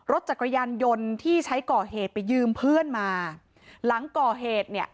รถจักรยานยนต์ที่ใช้ก่อเหตุไปยืมเพื่อนมาหลังก่อเหตุเนี่ย